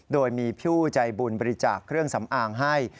โดยมีผู้ใจบุญบริจาคเครื่องสำอางให้